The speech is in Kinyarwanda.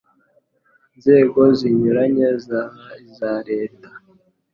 nzego zinyuranye zaba iza Leta